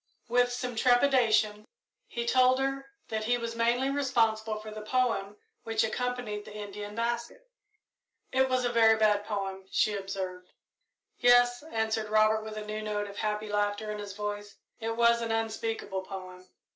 With some trepidation he told her that he was mainly responsible for the poem which accompanied the Indian basket. "It was a very bad poem," she observed. "Yes," answered Robert, with a new note of happy laughter in his voice; "it was an unspeakable poem."